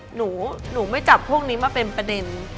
หนูไม่จับพวกนี้มาเป็นประเด็น